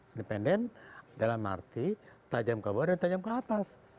independen dalam arti tajam ke bawah dan tajam ke atas